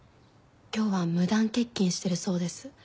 今日は無断欠勤してるそうです。